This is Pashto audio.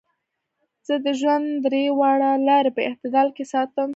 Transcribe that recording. زۀ د ژوند درې واړه لارې پۀ اعتدال کښې ساتم -